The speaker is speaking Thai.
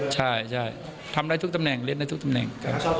ใช่ทำได้ทุกตำแหน่งเล่นได้ทุกตำแหน่ง